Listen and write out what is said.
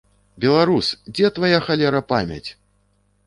Беларус, дзе твая, халера, памяць?!